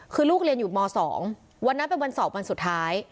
คือลูกเรียนอยู่ม๒วันนั้นเป็นวันสอบวันสุดท้าย